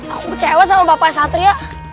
aku kecewa sama bapak satria